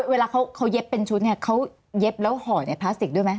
เวลาเขาเย็บเป็นชุดเนี่ยเขาเย็บแล้วห่อในพลาสติกด้วยไหม